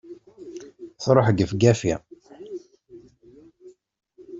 truḥ gefgafi!